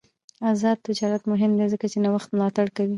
آزاد تجارت مهم دی ځکه چې نوښت ملاتړ کوي.